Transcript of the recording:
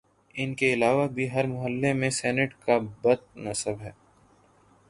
ان کے علاوہ بھی ہر محلے میں سینٹ کا بت نصب ہے